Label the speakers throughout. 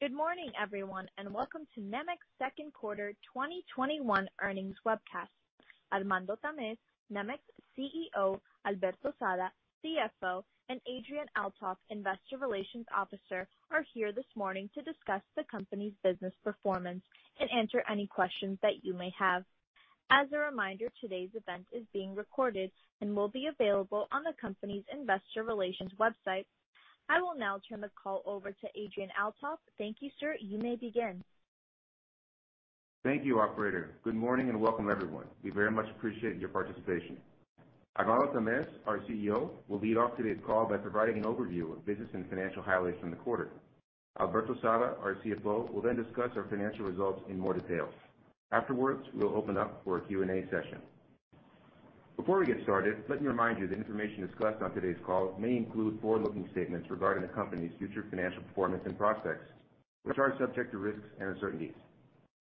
Speaker 1: Good morning, everyone, and welcome to Nemak's second quarter 2021 earnings webcast. Armando Tamez, Nemak's CEO, Alberto Sada, CFO, and Adrian Althoff, investor relations officer, are here this morning to discuss the company's business performance and answer any questions that you may have. As a reminder, today's event is being recorded and will be available on the company's investor relations website. I will now turn the call over to Adrian Althoff. Thank you, sir. You may begin.
Speaker 2: Thank you, operator. Good morning and welcome everyone. We very much appreciate your participation. Armando Tamez, our CEO, will lead off today's call by providing an overview of business and financial highlights from the quarter. Alberto Sada, our CFO, will discuss our financial results in more detail. Afterwards, we'll open up for a Q&A session. Before we get started, let me remind you that information discussed on today's call may include forward-looking statements regarding the company's future financial performance and prospects, which are subject to risks and uncertainties.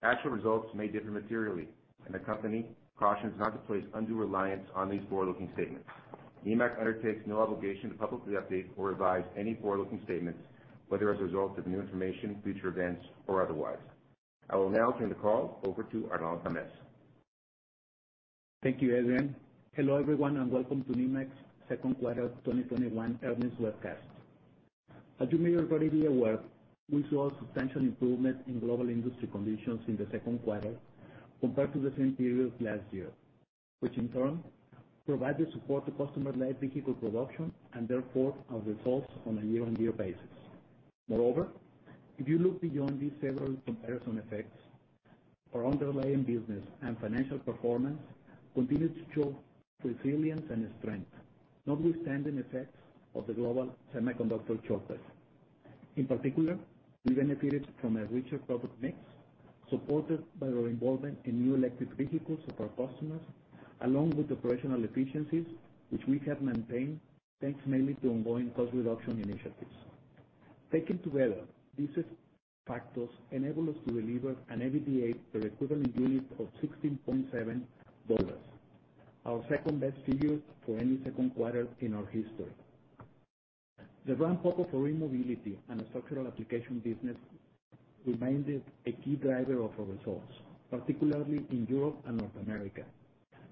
Speaker 2: Actual results may differ materially, and the company cautions not to place undue reliance on these forward-looking statements. Nemak undertakes no obligation to publicly update or revise any forward-looking statements, whether as a result of new information, future events, or otherwise. I will now turn the call over to Armando Tamez.
Speaker 3: Thank you, Adrian. Hello, everyone, and welcome to Nemak's second quarter 2021 earnings webcast. As you may already be aware, we saw substantial improvement in global industry conditions in the second quarter compared to the same period last year, which in turn provided support to customer-led vehicle production, and therefore our results on a year-on-year basis. Moreover, if you look beyond these several comparison effects, our underlying business and financial performance continued to show resilience and strength, notwithstanding effects of the global semiconductor shortage. In particular, we benefited from a richer product mix supported by our involvement in new electric vehicles of our customers, along with operational efficiencies, which we have maintained, thanks mainly to ongoing cost reduction initiatives. Taken together, these factors enable us to deliver an EBITDA per equivalent unit of $16.70, our second-best figure for any second quarter in our history. The ramp-up of our e-mobility and structural applications business remained a key driver of our results, particularly in Europe and North America.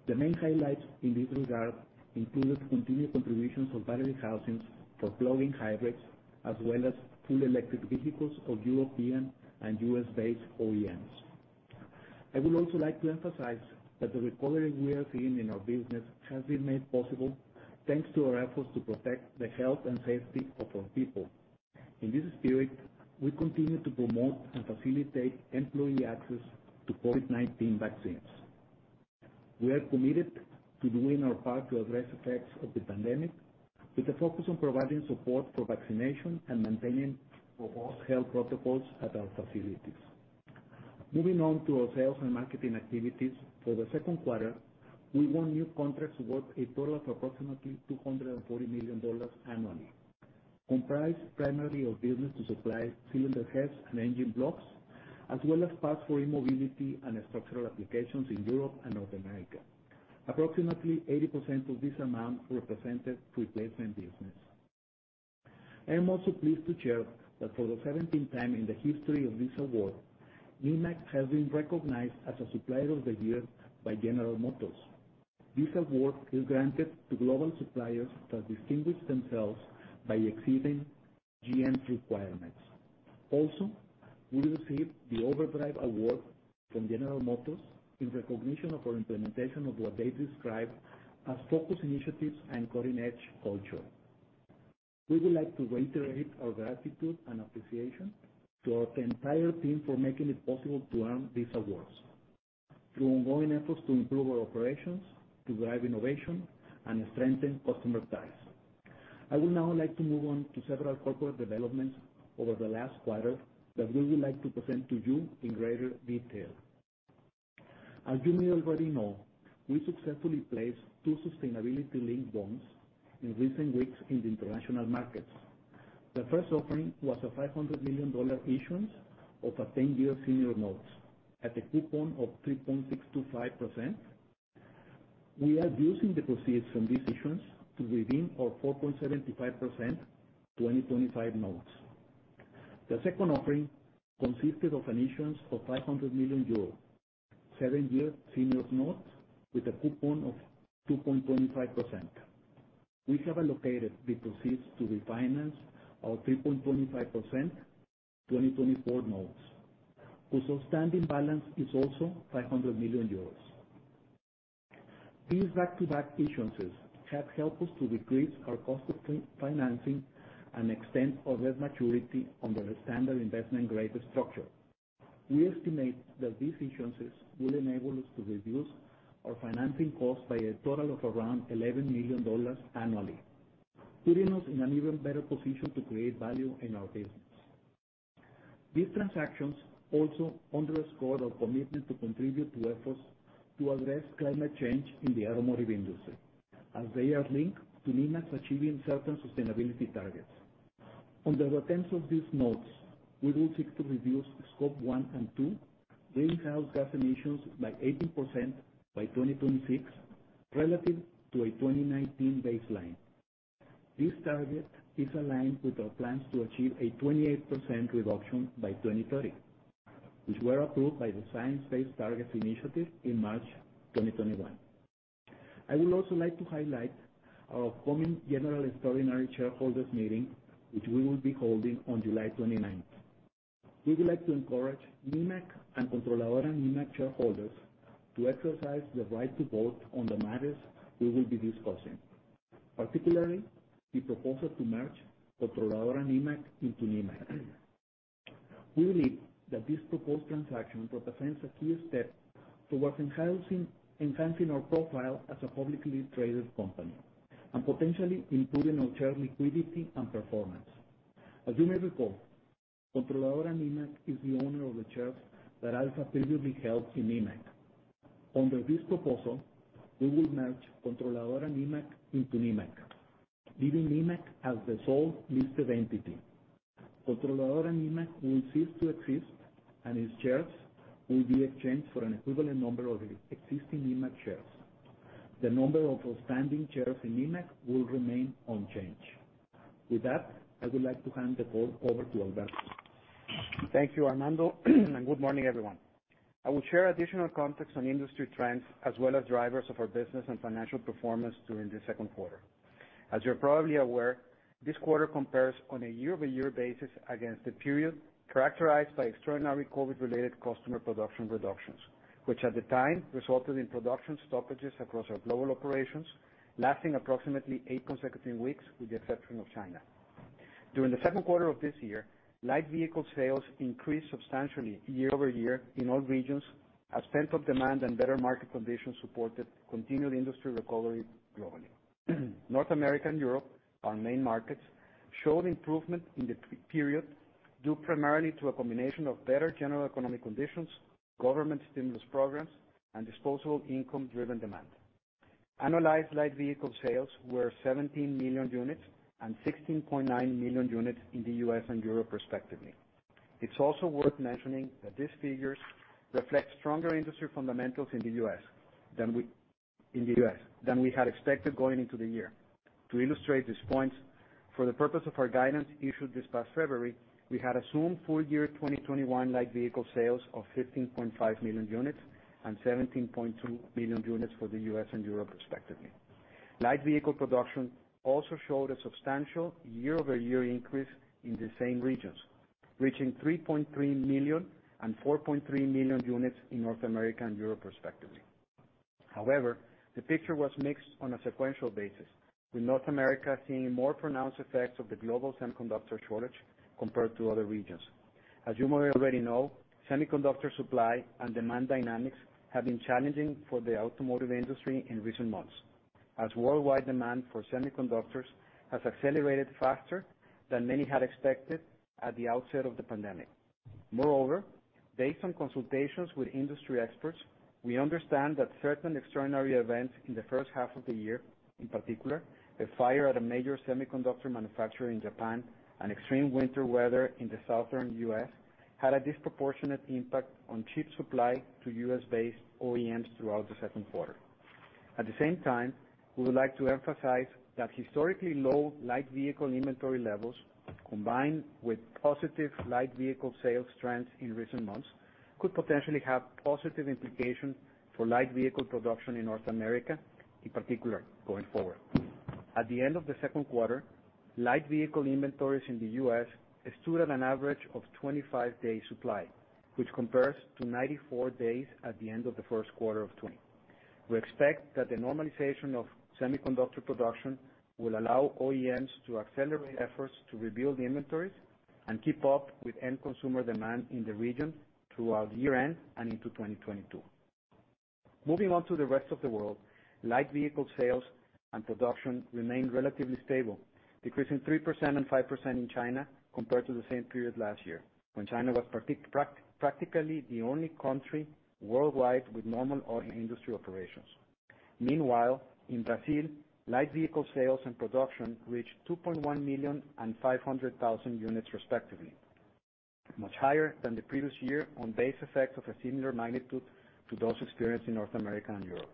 Speaker 3: The main highlights in this regard included continued contributions of battery housings for plug-in hybrids, as well as full electric vehicles of European and U.S.-based OEMs. I would also like to emphasize that the recovery we are seeing in our business has been made possible thanks to our efforts to protect the health and safety of our people. In this spirit, we continue to promote and facilitate employee access to COVID-19 vaccines. We are committed to doing our part to address effects of the pandemic with a focus on providing support for vaccination and maintaining robust health protocols at our facilities. Moving on to our sales and marketing activities for the second quarter, we won new contracts worth a total of approximately $240 million annually, comprised primarily of business to supply cylinder heads and engine blocks, as well as parts for e-mobility and structural applications in Europe and North America. Approximately 80% of this amount represented replacement business. I am also pleased to share that for the 17th time in the history of this award, Nemak has been recognized as Supplier of the Year by General Motors. This award is granted to global suppliers that distinguish themselves by exceeding GM's requirements. Also, we received the Overdrive Award from General Motors in recognition of our implementation of what they describe as focused initiatives and cutting-edge culture. We would like to reiterate our gratitude and appreciation to our entire team for making it possible to earn these awards through ongoing efforts to improve our operations, to drive innovation, and strengthen customer ties. I would now like to move on to several corporate developments over the last quarter that we would like to present to you in greater detail. As you may already know, we successfully placed two sustainability-linked bonds in recent weeks in the international markets. The first offering was a $500 million issuance of a 10-year senior note at a coupon of 3.625%. We are using the proceeds from these issuance to redeem our 4.75% 2025 notes. The second offering consisted of an issuance of €500 million seven-year senior notes with a coupon of 2.25%. We have allocated the proceeds to refinance our 3.25% 2024 notes, whose outstanding balance is also €500 million. These back-to-back issuances have helped us to decrease our cost of financing and extend our debt maturity under a standard investment-grade structure. We estimate that these issuances will enable us to reduce our financing cost by a total of around $11 million annually, putting us in an even better position to create value in our business. These transactions also underscore our commitment to contribute to efforts to address climate change in the automotive industry, as they are linked to Nemak's achieving certain sustainability targets. Under the terms of these notes, we will seek to reduce Scope 1 and 2 greenhouse gas emissions by 18% by 2026 relative to a 2019 baseline. This target is aligned with our plans to achieve a 28% reduction by 2030, which were approved by the Science Based Targets initiative in March 2021. I would also like to highlight our upcoming general extraordinary shareholders meeting, which we will be holding on July 29th. We would like to encourage Nemak and Controladora Nemak shareholders to exercise the right to vote on the matters we will be discussing, particularly the proposal to merge Controladora Nemak into Nemak. We believe that this proposed transaction represents a key step towards enhancing our profile as a publicly traded company and potentially improving our share liquidity and performance. As you may recall, Controladora Nemak is the owner of the shares that Alfa previously held in Nemak. Under this proposal, we will merge Controladora Nemak into Nemak, leaving Nemak as the sole listed entity. Controladora Nemak will cease to exist, and its shares will be exchanged for an equivalent number of existing Nemak shares. The number of outstanding shares in Nemak will remain unchanged. With that, I would like to hand the call over to Alberto.
Speaker 4: Thank you, Armando, and good morning, everyone. I will share additional context on industry trends as well as drivers of our business and financial performance during the second quarter. As you're probably aware, this quarter compares on a year-over-year basis against the period characterized by extraordinary COVID-19-related customer production reductions, which at the time resulted in production stoppages across our global operations, lasting approximately eight consecutive weeks, with the exception of China. During the second quarter of this year, light vehicle sales increased substantially year-over-year in all regions as pent-up demand and better market conditions supported continued industry recovery globally. North America and Europe, our main markets, showed improvement in the period due primarily to a combination of better general economic conditions, government stimulus programs, and disposable income-driven demand. Annualized light vehicle sales were 17 million units and 16.9 million units in the U.S. and Europe respectively. It's also worth mentioning that these figures reflect stronger industry fundamentals in the U.S. than we had expected going into the year. To illustrate this point, for the purpose of our guidance issued this past February, we had assumed full year 2021 light vehicle sales of 15.5 million units and 17.2 million units for the U.S. and Europe respectively. Light vehicle production also showed a substantial year-over-year increase in the same regions, reaching 3.3 million and 4.3 million units in North America and Europe respectively. The picture was mixed on a sequential basis, with North America seeing more pronounced effects of the global semiconductor shortage compared to other regions. As you may already know, semiconductor supply and demand dynamics have been challenging for the automotive industry in recent months as worldwide demand for semiconductors has accelerated faster than many had expected at the outset of the pandemic. Moreover, based on consultations with industry experts, we understand that certain extraordinary events in the first half of the year, in particular, a fire at a major semiconductor manufacturer in Japan and extreme winter weather in the southern U.S., had a disproportionate impact on chip supply to U.S.-based OEMs throughout the second quarter. At the same time, we would like to emphasize that historically low light vehicle inventory levels, combined with positive light vehicle sales trends in recent months, could potentially have positive implications for light vehicle production in North America, in particular, going forward. At the end of the second quarter, light vehicle inventories in the U.S. stood at an average of 25 days' supply, which compares to 94 days at the end of the first quarter of 2020. We expect that the normalization of semiconductor production will allow OEMs to accelerate efforts to rebuild inventories and keep up with end consumer demand in the region throughout the year-end and into 2022. Moving on to the rest of the world, light vehicle sales and production remained relatively stable, decreasing 3% and 5% in China compared to the same period last year, when China was practically the only country worldwide with normal industry operations. Meanwhile, in Brazil, light vehicle sales and production reached 2.1 million and 500,000 units respectively, much higher than the previous year on base effects of a similar magnitude to those experienced in North America and Europe.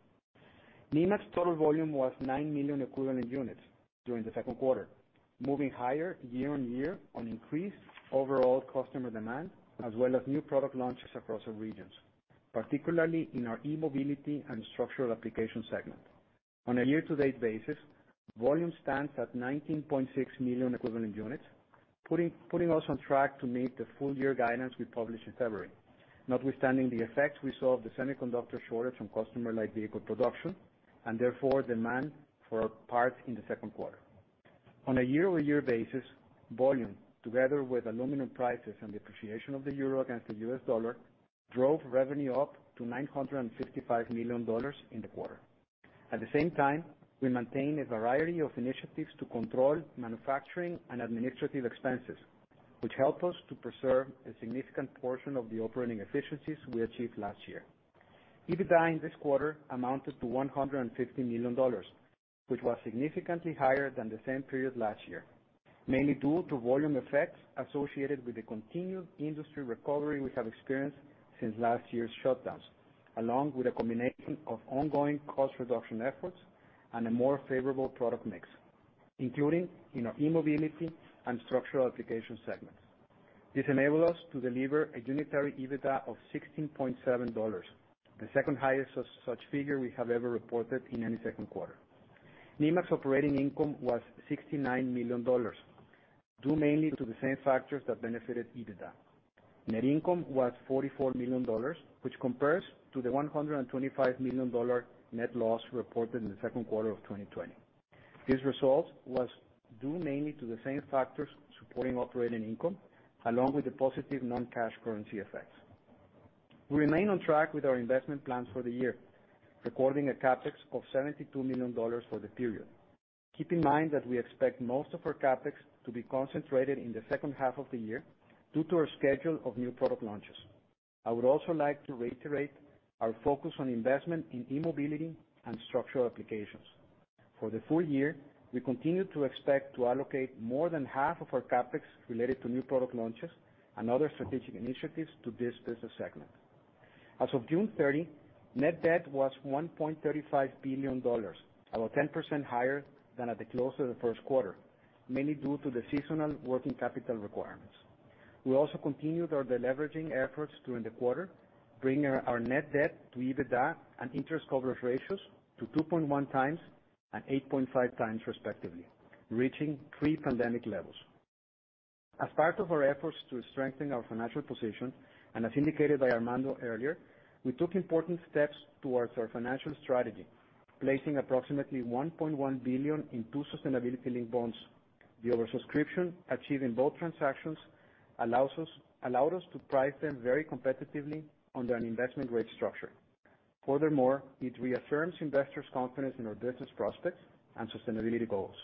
Speaker 4: Nemak's total volume was 9 million equivalent units during the second quarter, moving higher year on year on increased overall customer demand, as well as new product launches across our regions, particularly in our e-mobility and structural applications segment. On a year-to-date basis, volume stands at 19.6 million equivalent units, putting us on track to meet the full-year guidance we published in February, notwithstanding the effects we saw of the semiconductor shortage on customer light vehicle production, and therefore, demand for parts in Q2. On a year-over-year basis, volume, together with aluminum prices and depreciation of the euro against the US dollar, drove revenue up to $955 million in the quarter. At the same time, we maintained a variety of initiatives to control manufacturing and administrative expenses, which helped us to preserve a significant portion of the operating efficiencies we achieved last year. EBITDA in this quarter amounted to $150 million, which was significantly higher than the same period last year, mainly due to volume effects associated with the continued industry recovery we have experienced since last year's shutdowns, along with a combination of ongoing cost reduction efforts and a more favorable product mix, including in our e-mobility and structural applications segments. This enabled us to deliver a unitary EBITDA of $16.7, the second highest such figure we have ever reported in any second quarter. Nemak's operating income was $69 million, due mainly to the same factors that benefited EBITDA. Net income was $44 million, which compares to the $125 million net loss reported in the second quarter of 2020. This result was due mainly to the same factors supporting operating income, along with the positive non-cash currency effects. We remain on track with our investment plans for the year, recording a CapEx of $72 million for the period. Keep in mind that we expect most of our CapEx to be concentrated in the second half of the year due to our schedule of new product launches. I would also like to reiterate our focus on investment in e-mobility and structural applications. For the full year, we continue to expect to allocate more than half of our CapEx related to new product launches and other strategic initiatives to this business segment. As of June 30, net debt was $1.35 billion, about 10% higher than at the close of the first quarter, mainly due to the seasonal working capital requirements. We also continued our de-leveraging efforts during the quarter, bringing our net debt to EBITDA and interest coverage ratios to 2.1x and 8.5x respectively, reaching pre-pandemic levels. As part of our efforts to strengthen our financial position, and as indicated by Armando earlier, we took important steps towards our financial strategy, placing approximately $1.1 billion in two sustainability-linked bonds. The oversubscription achieved in both transactions allowed us to price them very competitively under an investment-grade structure. It reaffirms investors' confidence in our business prospects and sustainability goals.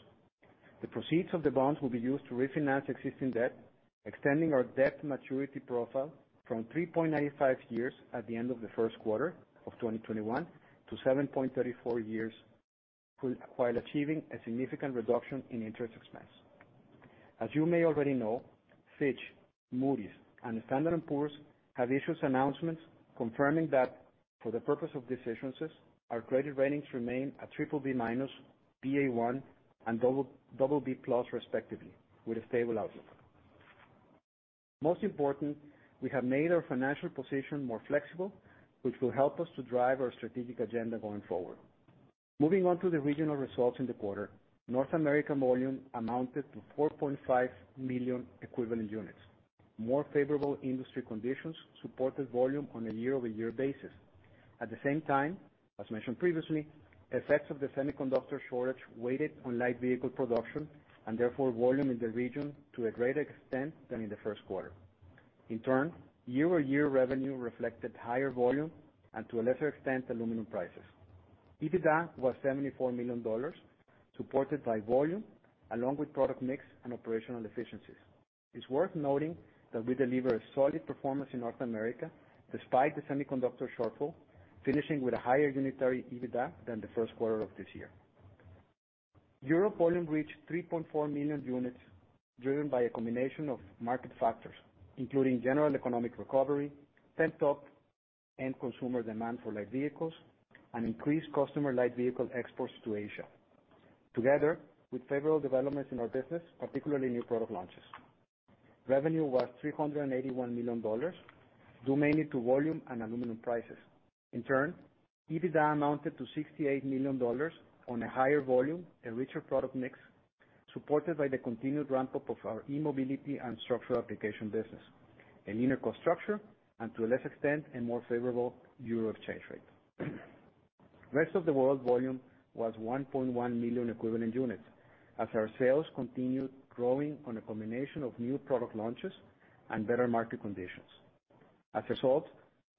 Speaker 4: The proceeds of the bonds will be used to refinance existing debt, extending our debt maturity profile from 3.95 years at the end of the first quarter of 2021 to 7.34 years, while achieving a significant reduction in interest expense. As you may already know, Fitch, Moody's, and Standard & Poor's have issued announcements confirming that, for the purpose of these agencies, our credit ratings remain at BBB-, Ba1, and BB+ respectively, with a stable outlook. Most important, we have made our financial position more flexible, which will help us to drive our strategic agenda going forward. Moving on to the regional results in the quarter. North America volume amounted to 4.5 million equivalent units. More favorable industry conditions supported volume on a year-over-year basis. At the same time, as mentioned previously, effects of the semiconductor shortage weighted on light vehicle production, and therefore volume in the region to a greater extent than in the first quarter. In turn, year-over-year revenue reflected higher volume and to a lesser extent, aluminum prices. EBITDA was $74 million, supported by volume, along with product mix and operational efficiencies. It's worth noting that we deliver a solid performance in North America despite the semiconductor shortage, finishing with a higher unitary EBITDA than the first quarter of this year. Europe volume reached 3.4 million units, driven by a combination of market factors, including general economic recovery, pent-up end consumer demand for light vehicles, and increased customer light vehicle exports to Asia. Together with favorable developments in our business, particularly new product launches, revenue was $381 million, due mainly to volume and aluminum prices. In turn, EBITDA amounted to $68 million on a higher volume and richer product mix, supported by the continued ramp-up of our e-mobility and structural applications business, a leaner cost structure, and to a lesser extent, a more favorable Euro exchange rate. Rest of the World volume was 1.1 million equivalent units as our sales continued growing on a combination of new product launches and better market conditions. As a result,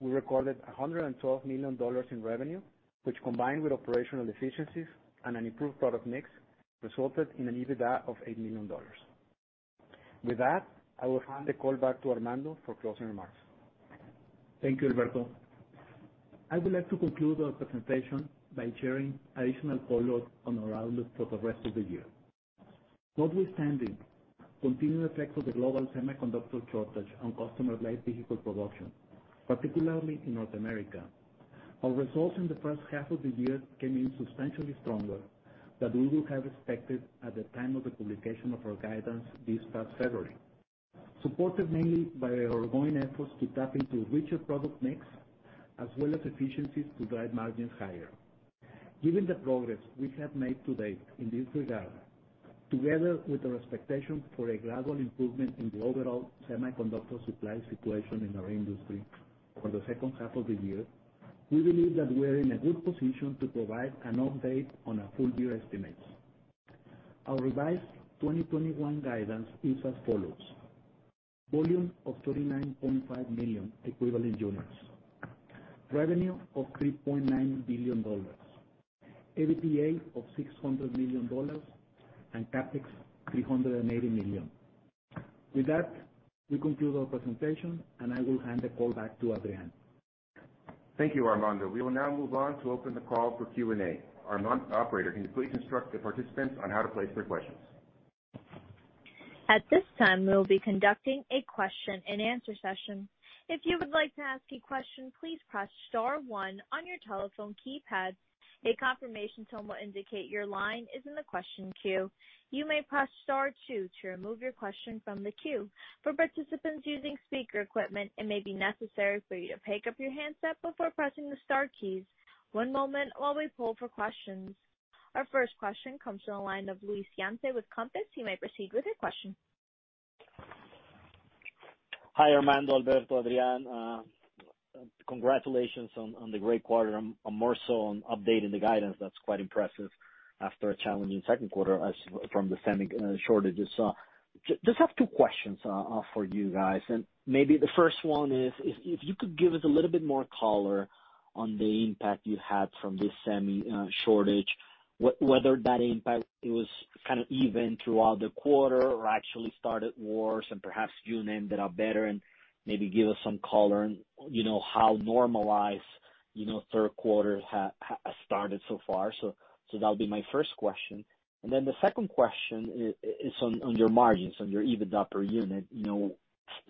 Speaker 4: we recorded $112 million in revenue, which combined with operational efficiencies and an improved product mix, resulted in an EBITDA of $8 million. With that, I will hand the call back to Armando for closing remarks.
Speaker 3: Thank you, Alberto. I would like to conclude our presentation by sharing additional color on our outlook for the rest of the year. Notwithstanding continued effects of the global semiconductor shortage on customer light vehicle production, particularly in North America, our results in the first half of the year came in substantially stronger than we would have expected at the time of the publication of our guidance this past February, supported mainly by our ongoing efforts to tap into richer product mix, as well as efficiencies to drive margins higher. Given the progress we have made to date in this regard, together with our expectation for a gradual improvement in the overall semiconductor supply situation in our industry for the second half of the year, we believe that we are in a good position to provide an update on our full-year estimates. Our revised 2021 guidance is as follows: Volume of 39.5 million equivalent units. Revenue of $3.9 billion. EBITDA of $600 million and CapEx $380 million. With that, we conclude our presentation, and I will hand the call back to Adrian.
Speaker 2: Thank you, Armando. We will now move on to open the call for Q&A. Armando, operator, can you please instruct the participants on how to place their questions?
Speaker 1: At this time we'll be conducting a question and answer session. If you would like to ask a question, please press star one on your telephone keypad. A confirmation tone will indicate your line is in the question queue. You may press star two to remove your question from the queue. For participants using speaker equipment, it may be necessary for you to pick up your handset before pressing star key. One moment while we pull for questions. Our first question comes from the line of Luis Yance with Compass. You may proceed with your question.
Speaker 5: Hi, Armando, Alberto, Adrian. Congratulations on the great quarter, more so on updating the guidance. That's quite impressive after a challenging second quarter from the semiconductor shortage. Just have two questions for you guys. Maybe the first one is, if you could give us a little bit more color on the impact you had from this semiconductor shortage, whether that impact was kind of even throughout the quarter or actually started worse and perhaps Q2 ended up better, and maybe give us some color on how normalized third quarter has started so far. That would be my first question. The second question is on your margins, on your EBITDA per unit.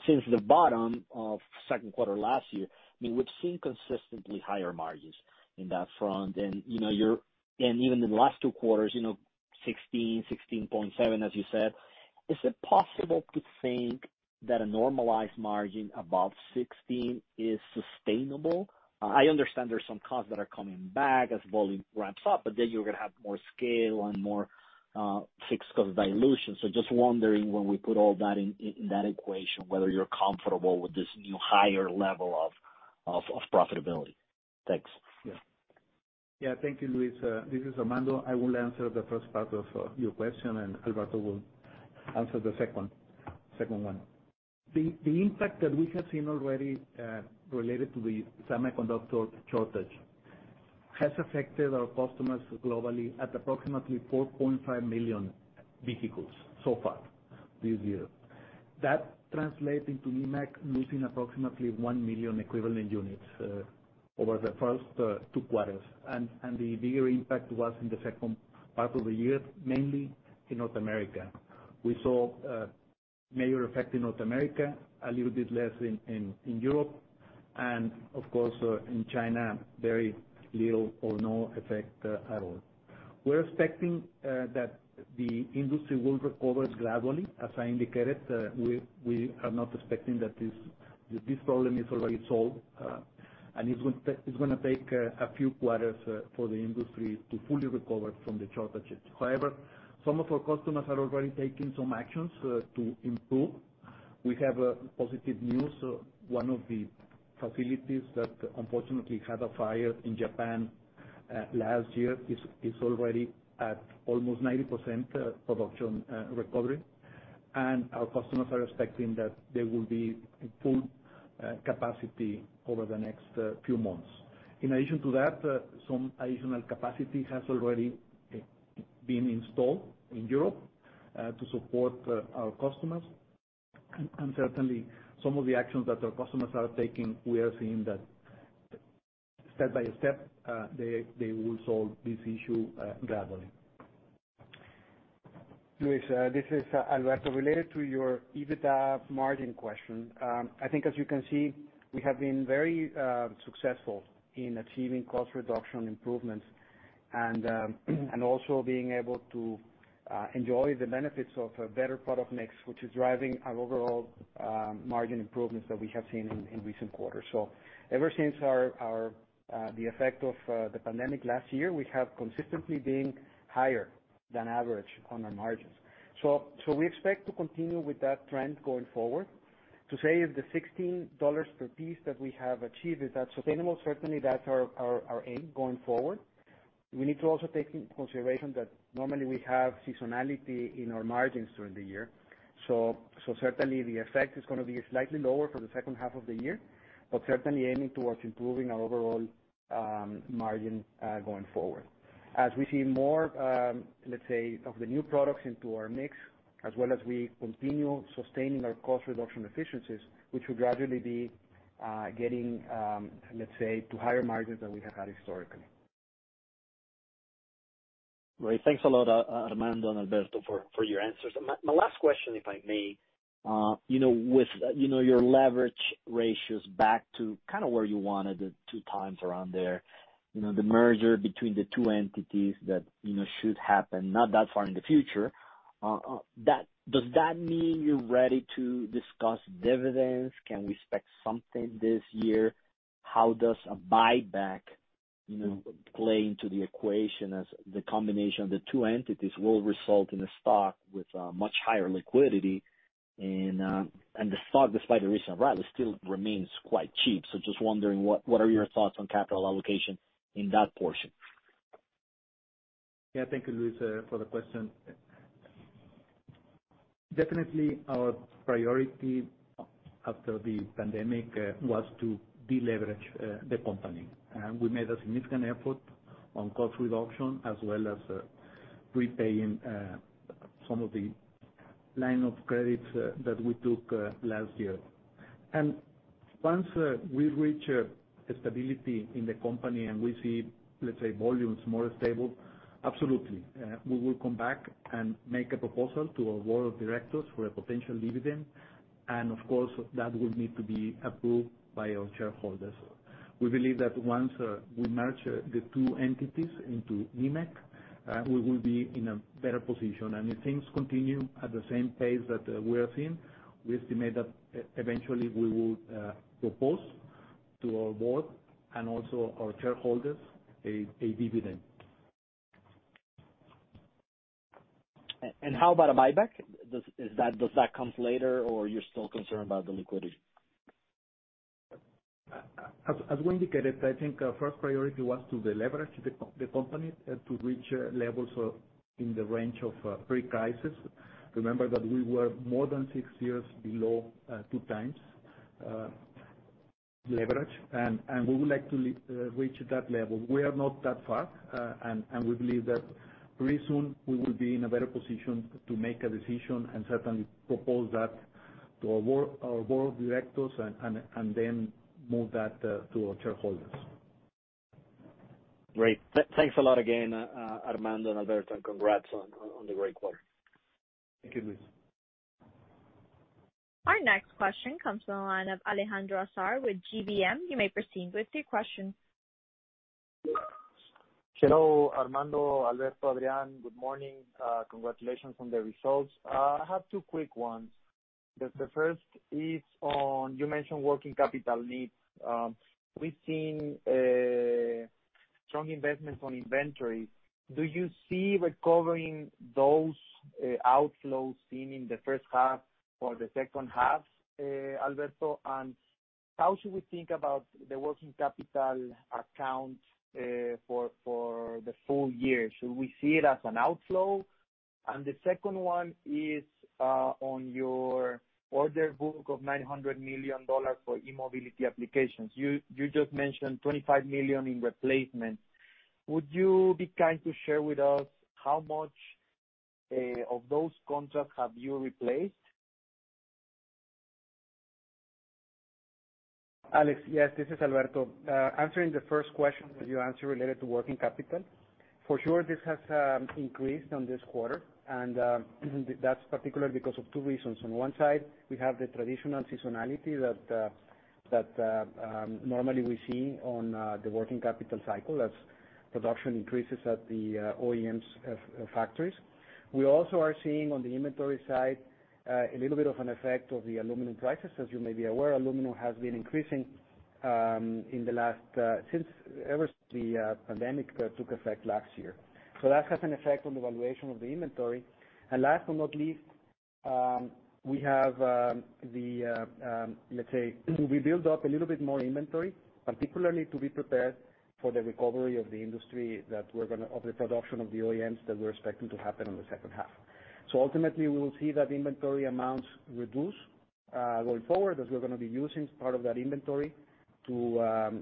Speaker 5: Since the bottom of second quarter last year, we've seen consistently higher margins in that front. Even in the last two quarters, 16%, 16.7%, as you said. Is it possible to think that a normalized margin above 16 is sustainable? I understand there's some costs that are coming back as volume ramps up, you're going to have more scale and more fixed cost dilution. Just wondering when we put all that in that equation, whether you're comfortable with this new higher level of profitability. Thanks.
Speaker 3: Thank you, Luis. This is Armando. I will answer the first part of your question, and Alberto will answer the second one. The impact that we have seen already, related to the semiconductor shortage, has affected our customers globally at approximately 4.5 million vehicles so far this year. That translates into Nemak losing approximately 1 million equivalent units over the first two quarters. The bigger impact was in the second part of the year, mainly in North America. We saw a major effect in North America, a little bit less in Europe, and of course, in China, very little or no effect at all. We're expecting that the industry will recover gradually, as I indicated. We are not expecting that this problem is already solved, and it's going to take a few quarters for the industry to fully recover from the shortages. However, some of our customers are already taking some actions to improve. We have positive news. One of the facilities that unfortunately had a fire in Japan last year is already at almost 90% production recovery, and our customers are expecting that they will be at full capacity over the next few months. In addition to that, some additional capacity has already been installed in Europe, to support our customers. Certainly, some of the actions that our customers are taking, we are seeing that step by step, they will solve this issue gradually.
Speaker 4: Luis, this is Alberto. Related to your EBITDA margin question, I think as you can see, we have been very successful in achieving cost reduction improvements and also being able to enjoy the benefits of a better product mix, which is driving our overall margin improvements that we have seen in recent quarters. Ever since the effect of the pandemic last year, we have consistently been higher than average on our margins. We expect to continue with that trend going forward. To say if the $16 per piece that we have achieved, is that sustainable? Certainly, that's our aim going forward. We need to also take into consideration that normally we have seasonality in our margins during the year. Certainly the effect is going to be slightly lower for the second half of the year, but certainly aiming towards improving our overall margin going forward. As we see more, let's say, of the new products into our mix, as well as we continue sustaining our cost reduction efficiencies, which will gradually be getting, let's say, to higher margins than we have had historically.
Speaker 5: Great. Thanks a lot, Armando and Alberto for your answers. My last question, if I may. With your leverage ratios back to kind of where you wanted it 2x around there, the merger between the two entities that should happen not that far in the future, does that mean you're ready to discuss dividends? Can we expect something this year? How does a buyback play into the equation as the combination of the two entities will result in a stock with much higher liquidity and the stock, despite the recent rise, still remains quite cheap. Just wondering, what are your thoughts on capital allocation in that portion?
Speaker 3: Thank you, Luis, for the question. Definitely our priority after the pandemic was to deleverage the company. We made a significant effort on cost reduction, as well as repaying some of the line of credits that we took last year. Once we reach a stability in the company and we see, let's say, volumes more stable, absolutely, we will come back and make a proposal to our board of directors for a potential dividend. Of course, that will need to be approved by our shareholders. We believe that once we merge the two entities into Nemak, we will be in a better position. If things continue at the same pace that we are seeing, we estimate that eventually we will propose to our board, and also our shareholders, a dividend.
Speaker 5: How about a buyback? Does that comes later, or you're still concerned about the liquidity?
Speaker 3: As we indicated, I think our first priority was to deleverage the company to reach levels in the range of pre-crisis. Remember that we were more than six years below 2x leverage. We would like to reach that level. We are not that far. We believe that very soon we will be in a better position to make a decision and certainly propose that to our board of directors and then move that to our shareholders.
Speaker 5: Great. Thanks a lot again, Armando and Alberto. Congrats on the great quarter.
Speaker 3: Thank you, Luis.
Speaker 1: Our next question comes from the line of Alejandro Azar with GBM. You may proceed with your question.
Speaker 6: Hello, Armando, Alberto, Adrian. Good morning. Congratulations on the results. I have two quick ones. The first is on, you mentioned working capital needs. We've seen a strong investment on inventory. Do you see recovering those outflows seen in the first half or the second half, Alberto? How should we think about the working capital account for the full year? Should we see it as an outflow? The second one is on your order book of $900 million for e-mobility applications. You just mentioned $25 million in replacement. Would you be kind to share with us how much of those contracts have you replaced?
Speaker 4: Alex, yes, this is Alberto. Answering the first question that you asked related to working capital. For sure, this has increased on this quarter. That's particularly because of two reasons. On one side, we have the traditional seasonality that normally we see on the working capital cycle as production increases at the OEMs factories. We also are seeing on the inventory side, a little bit of an effect of the aluminum crisis. As you may be aware, aluminum has been increasing ever since the pandemic took effect last year. That has an effect on the valuation of the inventory. Last but not least, we have the, let's say, we build up a little bit more inventory, particularly to be prepared for the recovery of the industry, of the production of the OEMs that we're expecting to happen in the second half. Ultimately, we will see that inventory amounts reduce going forward, as we're going to be using part of that inventory to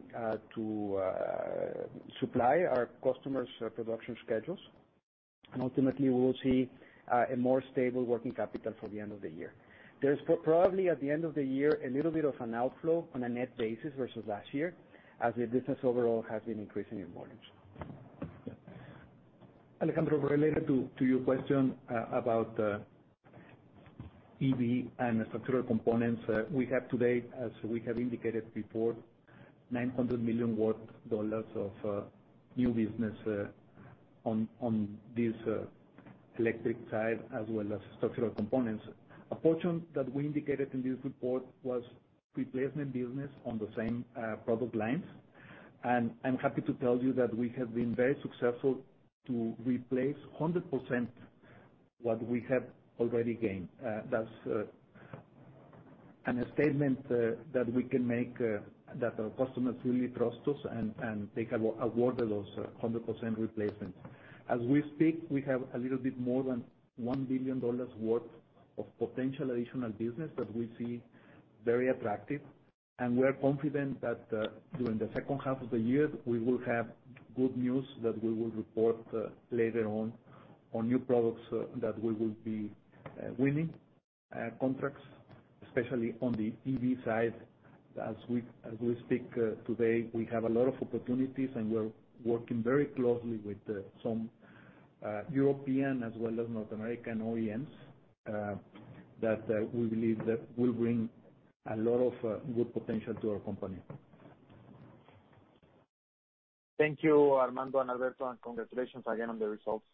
Speaker 4: supply our customers' production schedules. Ultimately, we will see a more stable working capital for the end of the year. There's probably, at the end of the year, a little bit of an outflow on a net basis versus last year as the business overall has been increasing in volumes.
Speaker 3: Alejandro, related to your question about EV and structural components. We have today, as we have indicated before, $900 million of new business on this electric side as well as structural components. A portion that we indicated in this report was replacement business on the same product lines. I'm happy to tell you that we have been very successful to replace 100% what we have already gained. That's a statement that we can make that our customers really trust us, and they awarded us 100% replacement. As we speak, we have a little bit more than $1 billion worth of potential additional business that we see very attractive. We are confident that during the second half of the year, we will have good news that we will report later on new products that we will be winning contracts, especially on the EV side. As we speak today, we have a lot of opportunities, and we're working very closely with some European as well as North American OEMs, that we believe that will bring a lot of good potential to our company.
Speaker 6: Thank you, Armando and Alberto, and congratulations again on the results.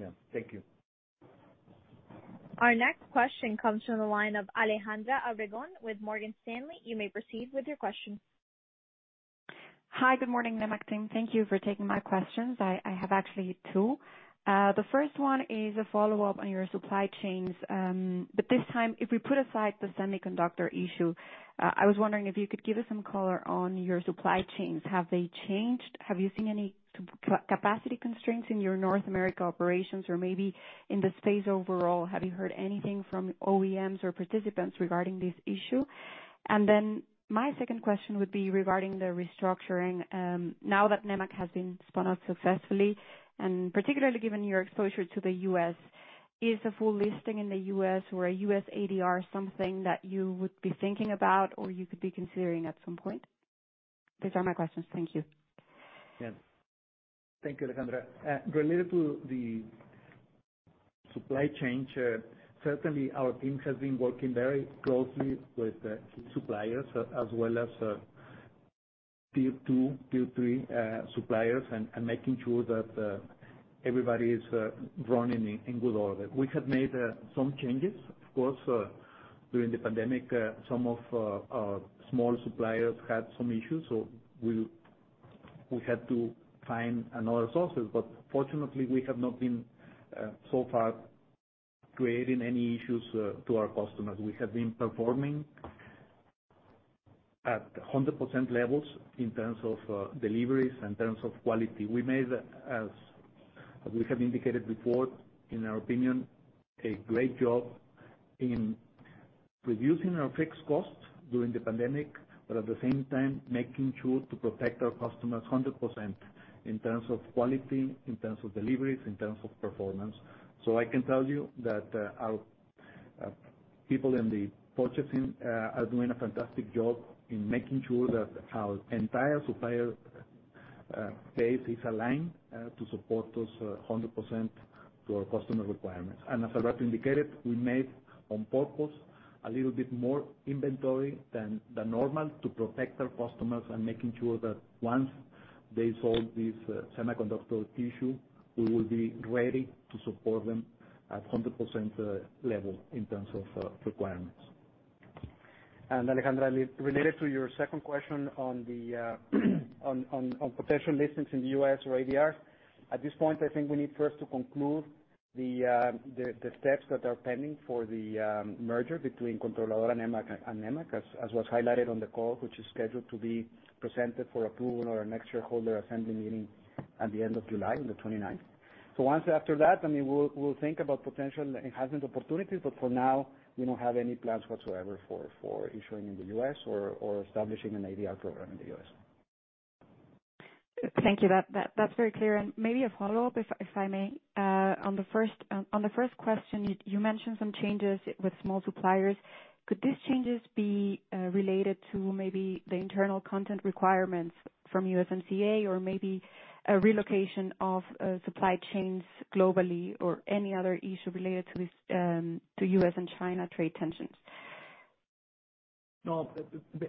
Speaker 3: Yeah. Thank you.
Speaker 1: Our next question comes from the line of Alejandra Obregón with Morgan Stanley. You may proceed with your question.
Speaker 7: Hi. Good morning, Nemak team. Thank you for taking my questions. I have actually two. The first one is a follow-up on your supply chains. This time, if we put aside the semiconductor issue, I was wondering if you could give us some color on your supply chains. Have they changed? Have you seen any capacity constraints in your North America operations or maybe in the space overall? Have you heard anything from OEMs or participants regarding this issue? My second question would be regarding the restructuring. Now that Nemak has been spun out successfully, and particularly given your exposure to the U.S., is a full listing in the U.S. or a U.S. ADR something that you would be thinking about or you could be considering at some point? These are my questions. Thank you.
Speaker 3: Yes. Thank you, Alejandra. Related to the supply chain, certainly our team has been working very closely with the suppliers as well as tier 2, tier 3 suppliers and making sure that everybody is running in good order. We have made some changes, of course, during the pandemic. Some of our small suppliers had some issues, we had to find other sources. Fortunately, we have not been, so far, creating any issues to our customers. We have been performing at 100% levels in terms of deliveries, in terms of quality. We made, as we have indicated before, in our opinion, a great job in reducing our fixed costs during the pandemic, at the same time, making sure to protect our customers 100% in terms of quality, in terms of deliveries, in terms of performance. I can tell you that our people in the purchasing are doing a fantastic job in making sure that our entire supplier base is aligned to support those 100% to our customer requirements. As Alberto indicated, we made, on purpose, a little bit more inventory than normal to protect our customers and making sure that once they solve this semiconductor issue, we will be ready to support them at 100% level in terms of requirements.
Speaker 4: Alejandra Obregón, related to your second question on potential listings in the U.S. or ADR, at this point, I think we need first to conclude the steps that are pending for the merger between Controladora Nemak and Nemak, as was highlighted on the call, which is scheduled to be presented for approval on our next shareholder assembly meeting at the end of July, on the 29th. Once after that, we'll think about potential enhancement opportunities, but for now, we don't have any plans whatsoever for issuing in the U.S. or establishing an ADR program in the U.S.
Speaker 7: Thank you. That's very clear. Maybe a follow-up, if I may. On the first question, you mentioned some changes with small suppliers. Could these changes be related to maybe the internal content requirements from USMCA or maybe a relocation of supply chains globally or any other issue related to U.S. and China trade tensions?
Speaker 3: No,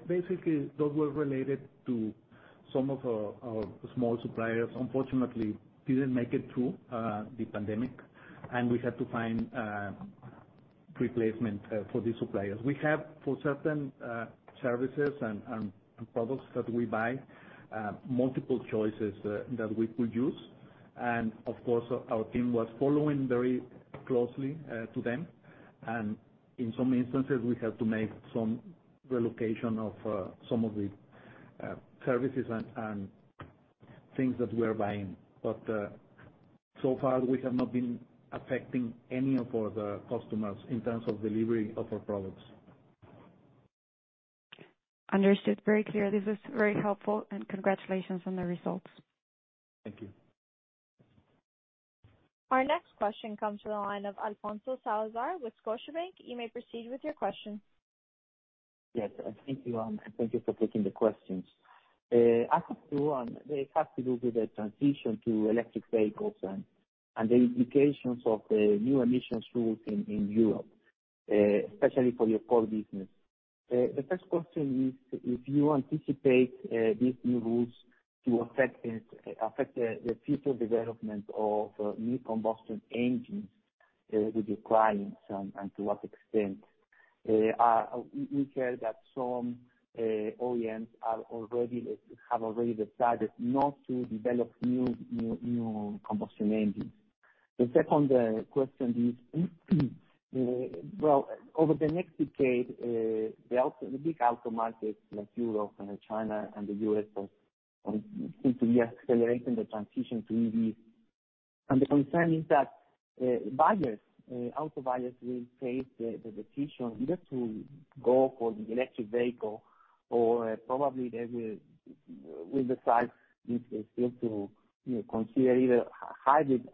Speaker 3: basically, those were related to some of our small suppliers, unfortunately, didn't make it through the pandemic, and we had to find replacement for these suppliers. We have, for certain services and products that we buy, multiple choices that we could use. Of course, our team was following very closely to them. In some instances, we had to make some relocation of some of the services and things that we are buying. So far, we have not been affecting any of our customers in terms of delivery of our products.
Speaker 7: Understood. Very clear. This is very helpful, and congratulations on the results.
Speaker 3: Thank you.
Speaker 1: Our next question comes from the line of Alfonso Salazar with Scotiabank. You may proceed with your question.
Speaker 8: Yes. Thank you. Thank you for taking the questions. I have two. They have to do with the transition to electric vehicles and the implications of the new emissions rules in Europe, especially for your core business. The first question is if you anticipate these new rules to affect the future development of new combustion engines with your clients, and to what extent? We heard that some OEMs have already decided not to develop new combustion engines. The second question is, well, over the next decade, the big auto markets, like Europe and China and the U.S., seem to be accelerating the transition to EV. The concern is that buyers, auto buyers, will take the decision either to go for the electric vehicle or probably they will decide if they feel to consider either a hybrid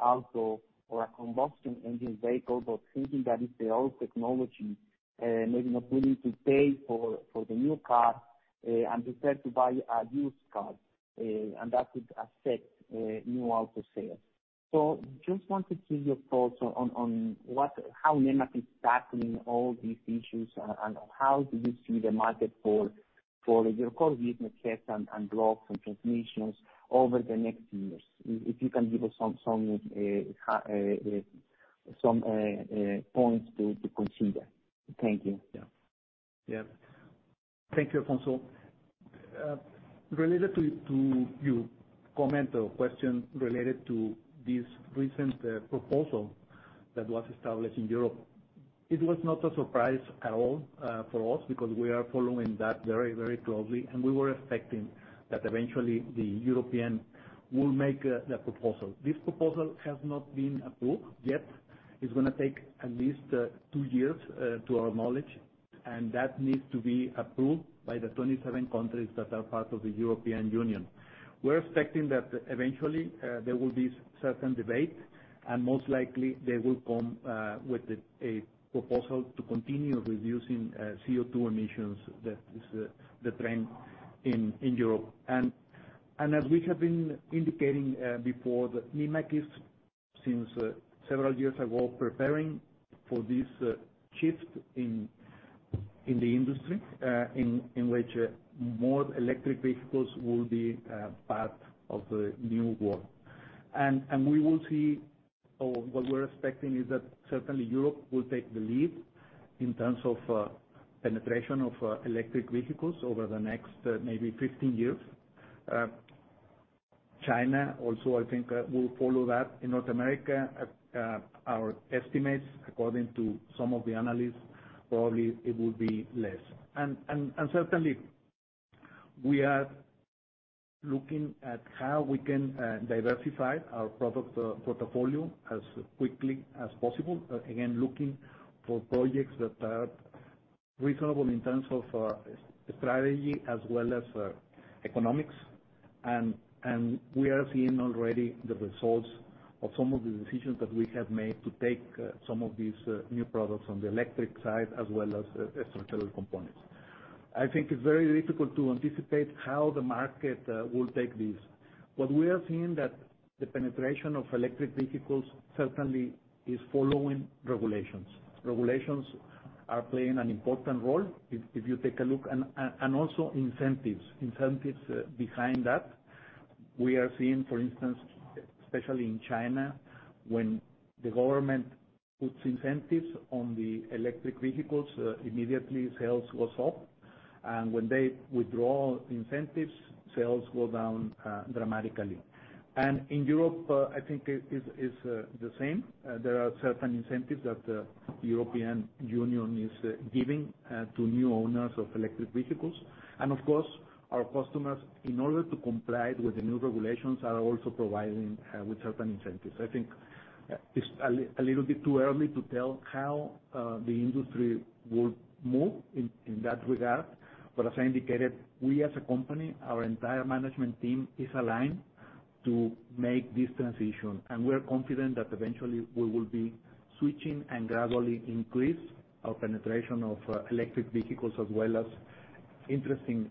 Speaker 8: auto or a combustion engine vehicle, but thinking that it's the old technology, maybe not willing to pay for the new car and decide to buy a used car, and that could affect new auto sales. Just wanted to hear your thoughts on how Nemak is tackling all these issues and how do you see the market for your core business, heads and blocks and transmissions, over the next years? If you can give us some points to consider. Thank you.
Speaker 3: Thank you, Alfonso. Related to your comment or question related to this recent proposal that was established in Europe, it was not a surprise at all for us because we are following that very closely, and we were expecting that eventually the European will make the proposal. This proposal has not been approved yet. It's going to take at least two years, to our knowledge. That needs to be approved by the 27 countries that are part of the European Union. We're expecting that eventually there will be certain debate, and most likely they will come with a proposal to continue reducing CO2 emissions. That is the trend in Europe. As we have been indicating before, Nemak is, since several years ago, preparing for this shift in the industry, in which more electric vehicles will be part of the new world. We will see, or what we're expecting, is that certainly Europe will take the lead in terms of penetration of electric vehicles over the next maybe 15 years. China also, I think, will follow that. In North America, our estimates, according to some of the analysts, probably it will be less. Certainly, we are looking at how we can diversify our product portfolio as quickly as possible. Again, looking for projects that are reasonable in terms of strategy as well as economics. We are seeing already the results of some of the decisions that we have made to take some of these new products on the electric side as well as structural components. I think it's very difficult to anticipate how the market will take this. We are seeing that the penetration of electric vehicles certainly is following regulations. Regulations are playing an important role. Also incentives behind that. We are seeing, for instance, especially in China, when the government puts incentives on the electric vehicles, immediately sales go up. When they withdraw incentives, sales go down dramatically. In Europe, I think it's the same. There are certain incentives that the European Union is giving to new owners of electric vehicles. Of course, our customers, in order to comply with the new regulations, are also providing with certain incentives. I think it's a little bit too early to tell how the industry will move in that regard. As I indicated, we as a company, our entire management team is aligned to make this transition. We're confident that eventually we will be switching and gradually increase our penetration of electric vehicles as well as interesting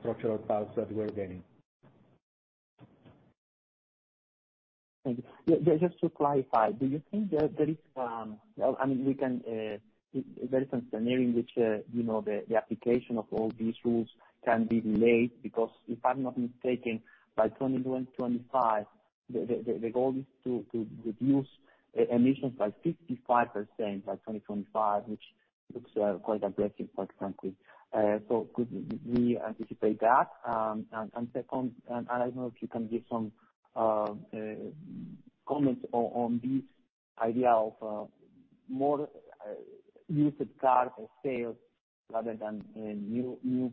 Speaker 3: structural parts that we're getting.
Speaker 8: Thank you. Just to clarify, do you think there is some scenario in which the application of all these rules can be delayed? If I'm not mistaken, by 2025, the goal is to reduce emissions by 55% by 2025, which looks quite aggressive, for example. Could we anticipate that? Second, and I don't know if you can give some comments on this idea of more used cars sales rather than new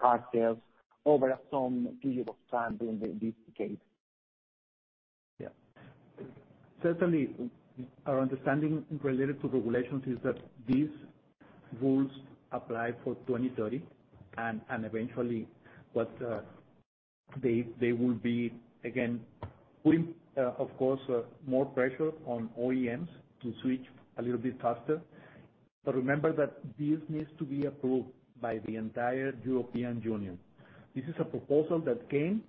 Speaker 8: car sales over some period of time during this decade.
Speaker 3: Yeah. Certainly, our understanding related to regulations is that these rules apply for 2030, and eventually they will be, again, putting of course, more pressure on OEMs to switch a little bit faster. Remember that this needs to be approved by the entire European Union. This is a proposal that came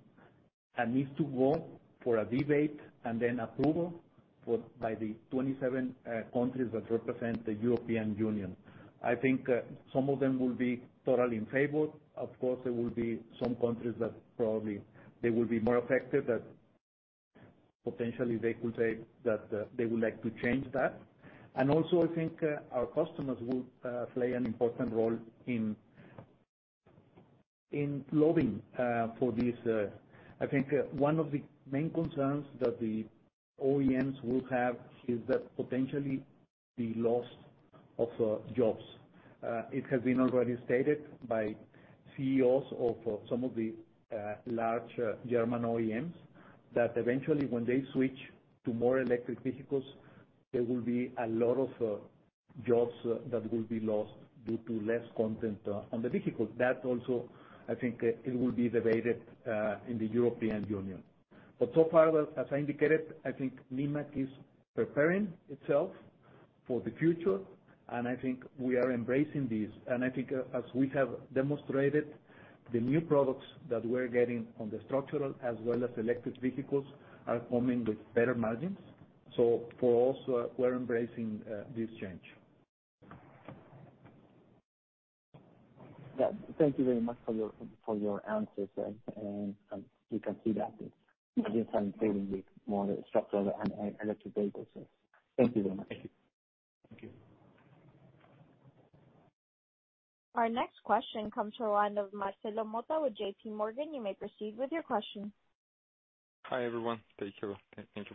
Speaker 3: and needs to go for a debate and then approval by the 27 countries that represent the European Union. I think some of them will be totally in favor. Of course, there will be some countries that probably they will be more affected, that potentially they could say that they would like to change that. Also, I think our customers will play an important role in lobbying for this. I think one of the main concerns that the OEMs will have is that potentially the loss of jobs. It has been already stated by CEOs of some of the large German OEMs that eventually when they switch to more electric vehicles, there will be a lot of jobs that will be lost due to less content on the vehicle. That also, I think, it will be debated in the European Union. So far, as I indicated, I think Nemak is preparing itself for the future, and I think we are embracing this. I think as we have demonstrated, the new products that we're getting on the structural as well as electric vehicles are coming with better margins. For us, we're embracing this change.
Speaker 8: Yeah. Thank you very much for your answers. We can see that, I think, certainly favoring the more structural and electric vehicles. Thank you very much.
Speaker 3: Thank you.
Speaker 1: Our next question comes from the line of Marcelo Motta with JPMorgan. You may proceed with your question.
Speaker 9: Hi, everyone. Thank you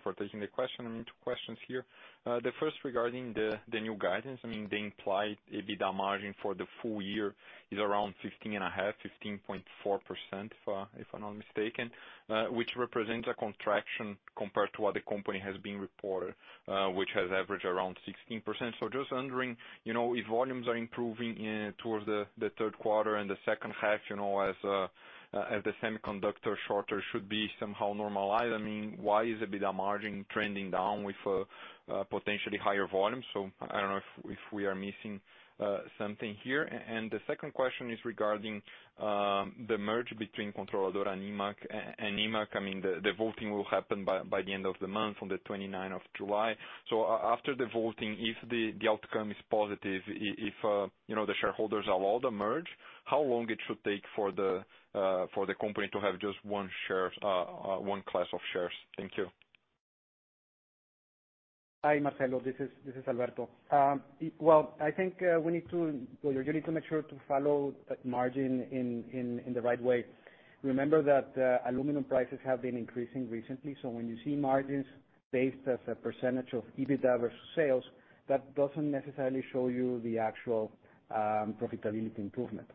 Speaker 9: for taking the question. Two questions here. The first regarding the new guidance. The implied EBITDA margin for the full year is around 15.5%, 15.4%, if I'm not mistaken, which represents a contraction compared to what the company has been reporting. Which has averaged around 16%. Just wondering if volumes are improving towards the third quarter and the second half, as the semiconductor shortage should be somehow normalized. Why is EBITDA margin trending down with potentially higher volumes? I don't know if we are missing something here. The second question is regarding the merge between Controladora and Nemak. The voting will happen by the end of the month, on the 29th of July. After the voting, if the outcome is positive, if the shareholders allow the merge, how long it should take for the company to have just one class of shares? Thank you.
Speaker 4: Hi, Marcelo. This is Alberto. I think you need to make sure to follow that margin in the right way. Remember that aluminum prices have been increasing recently, so when you see margins based as a percentage of EBITDA versus sales, that doesn't necessarily show you the actual profitability improvement.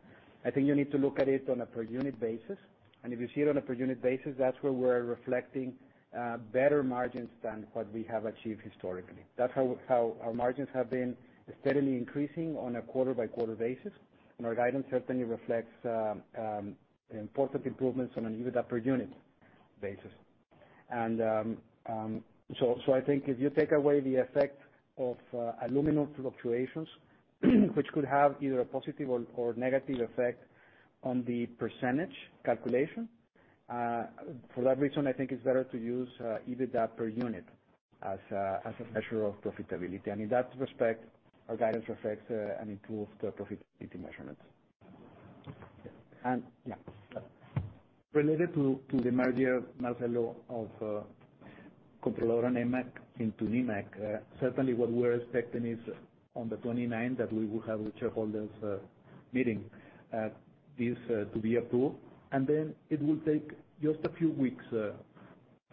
Speaker 4: I think you need to look at it on a per unit basis, and if you see it on a per unit basis, that's where we're reflecting better margins than what we have achieved historically. That's how our margins have been steadily increasing on a quarter-by-quarter basis, and our guidance certainly reflects positive improvements on an EBITDA per unit basis. I think if you take away the effect of aluminum fluctuations which could have either a positive or negative effect on the percentage calculation. For that reason, I think it's better to use EBITDA per unit as a measure of profitability. In that respect, our guidance reflects an improved profitability measurement. Related to the merger, Marcelo, of Controladora Nemak into Nemak, certainly what we're expecting is on the 29th, that we will have a shareholders meeting, this to be approved, then it will take just a few weeks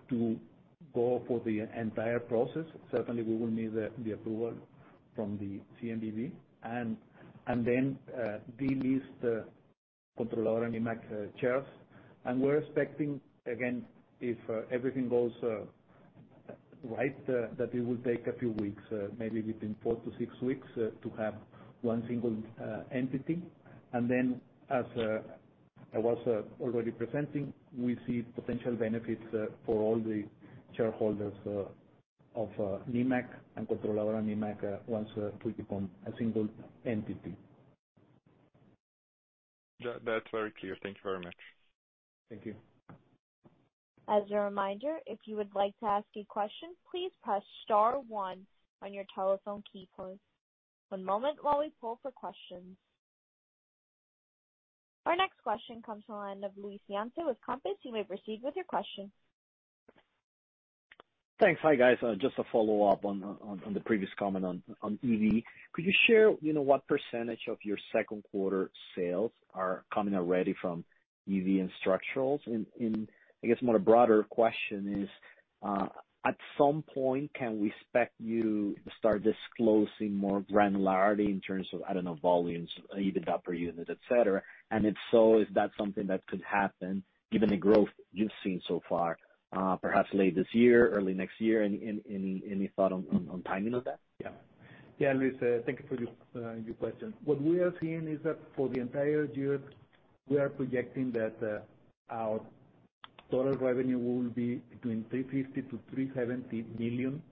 Speaker 4: to go for the entire process. Certainly, we will need the approval from the CNBV, then delist Controladora Nemak shares. We're expecting, again, if everything goes right, that it will take a few weeks, maybe between four to six weeks, to have one single entity. Then, as I was already presenting, we see potential benefits for all the shareholders of Nemak and Controladora Nemak once we become a single entity.
Speaker 9: That's very clear. Thank you very much.
Speaker 3: Thank you.
Speaker 1: As a reminder, if you would like to ask a question, please press star one on your telephone keypad. One moment while we poll for questions. Our next question comes on the line of Luis Yance with Compass. You may proceed with your question.
Speaker 5: Thanks. Hi, guys. Just a follow-up on the previous comment on EV. Could you share what percentage of your second quarter sales are coming already from EV and structurals? I guess more a broader question is, at some point, can we expect you to start disclosing more granularity in terms of, I don't know, volumes, EBITDA per unit, et cetera? If so, is that something that could happen given the growth you've seen so far, perhaps late this year, early next year? Any thought on timing of that?
Speaker 3: Yeah, Luis, thank you for your question. What we are seeing is that for the entire year, we are projecting that our total revenue will be between $350 million-$ 370 million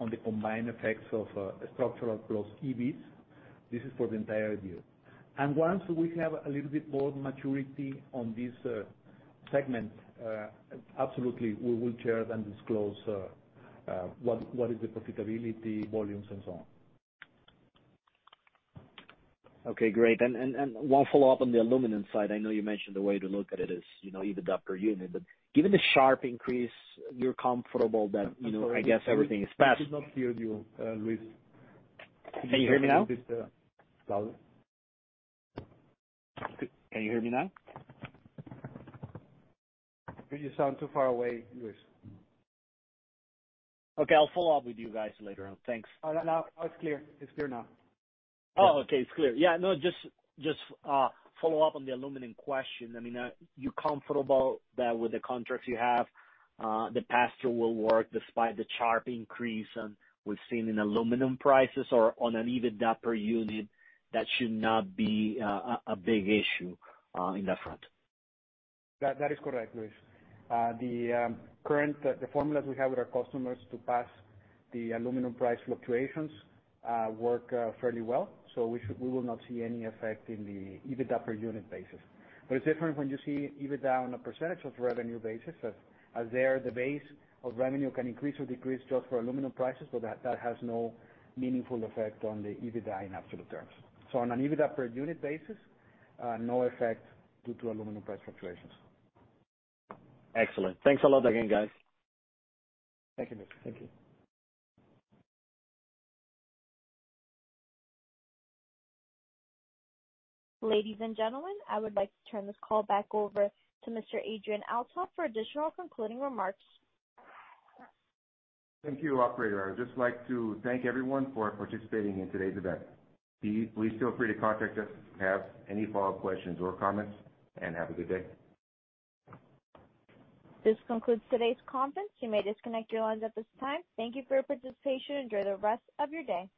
Speaker 3: on the combined effects of structural plus EVs. This is for the entire year. Once we have a little bit more maturity on this segment, absolutely, we will share and disclose what is the profitability, volumes, and so on.
Speaker 5: Okay, great. One follow-up on the aluminum side. I know you mentioned the way to look at it is EBITDA per unit. Given the sharp increase, you're comfortable that, I guess everything is passed-?
Speaker 3: I could not hear you, Luis.
Speaker 5: Can you hear me now?
Speaker 3: Sorry.
Speaker 5: Can you hear me now?
Speaker 3: You sound too far away, Luis.
Speaker 5: Okay. I'll follow up with you guys later on. Thanks.
Speaker 3: Now it's clear. It's clear now.
Speaker 5: Oh, okay. It's clear. Yeah, no, just follow up on the aluminum question. Are you comfortable that with the contracts you have, the pass through will work despite the sharp increase we've seen in aluminum prices? On an EBITDA per unit, that should not be a big issue in that front?
Speaker 4: That is correct, Luis. The formulas we have with our customers to pass the aluminum price fluctuations work fairly well. We will not see any effect in the EBITDA per unit basis. It's different when you see EBITDA on a percentage of revenue basis, as there, the base of revenue can increase or decrease just for aluminum prices, but that has no meaningful effect on the EBITDA in absolute terms. On an EBITDA per unit basis, no effect due to aluminum price fluctuations.
Speaker 5: Excellent. Thanks a lot again, guys.
Speaker 3: Thank you, Luis. Thank you.
Speaker 1: Ladies and gentlemen, I would like to turn this call back over to Mr. Adrian Althoff for additional concluding remarks.
Speaker 2: Thank you, operator. I would just like to thank everyone for participating in today's event. Please feel free to contact us if you have any follow-up questions or comments. Have a good day.
Speaker 1: This concludes today's conference. You may disconnect your lines at this time. Thank you for your participation. Enjoy the rest of your day.